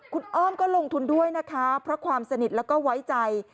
คุณอ้อมก็ลงทุนด้วยนะคะเพราะความสนิทแล้วก็ไว้ใจ